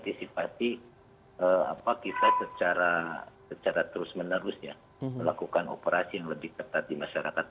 antisipasi kita secara terus menerus ya melakukan operasi yang lebih ketat di masyarakat